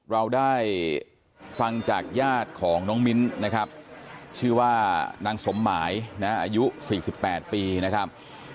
เราได้ฟังจากญาติของน้องมิ้นนะครับชื่อว่านางสมหมายนะอายุ๔๘ปีนะครับ